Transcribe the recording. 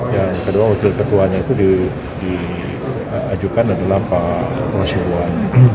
yang kedua wakil ketuanya itu diajukan adalah pak rosibuan